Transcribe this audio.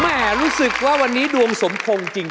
รู้สึกว่าวันนี้ดวงสมพงษ์จริง